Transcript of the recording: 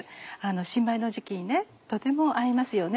新米の時期にとても合いますよね。